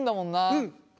うん。